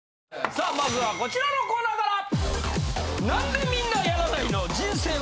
さあまずはこちらのコーナーから！